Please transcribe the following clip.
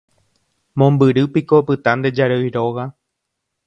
Mombyrýpiko opyta nde jarýi róga.